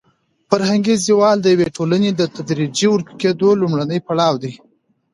فرهنګي زوال د یوې ټولنې د تدریجي ورکېدو لومړنی پړاو دی.